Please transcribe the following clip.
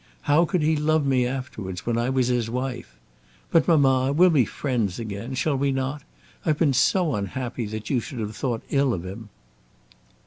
How could he love me afterwards, when I was his wife? But, mamma, we'll be friends again; shall we not? I've been so unhappy that you should have thought ill of him!"